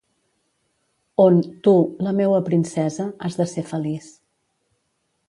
On, tu, la meua princesa, has de ser feliç.